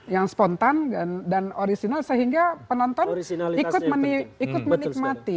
yang spontan dan original sehingga penonton ikut menikmati